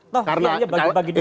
tuh dia hanya bagi bagi duit